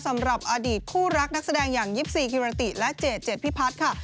สำหรับอดีตคู่รักนักแสดงอย่างยิปซีกิรันติและเจดเจ็ดพิพัฒน์ค่ะ